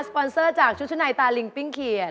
ปอนเซอร์จากชุดชะในตาลิงปิ้งเขียน